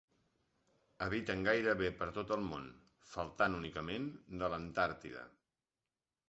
Habiten gairebé per tot el món, faltant únicament de l'Antàrtida.